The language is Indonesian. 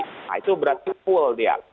nah itu berarti full dia